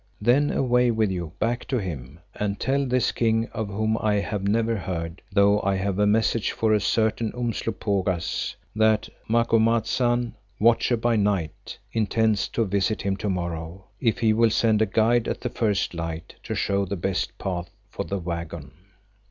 Then away with you back to him and tell this King of whom I have never heard, though I have a message for a certain Umslopogaas, that Macumazahn, Watcher by Night, intends to visit him to morrow, if he will send a guide at the first light to show the best path for the waggon."